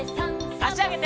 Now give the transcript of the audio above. あしあげて。